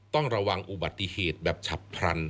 ต้องระวังอุบัติเหตุแบบฉับพลัน